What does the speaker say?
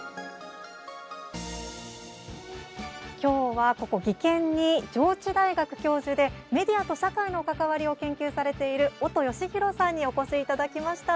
きょうは、ここ技研に上智大学教授でメディアと社会の関わりを研究されている、音好宏さんにお越しいただきました。